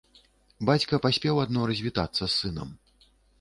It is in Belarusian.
Бацька паспеў адно развітацца з сынам.